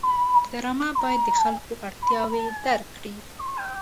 ډرامه باید د خلکو اړتیاوې درک کړي